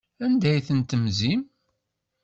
Anda ay ten-temzim?